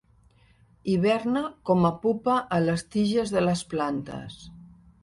Hiberna com a pupa a les tiges de les plantes.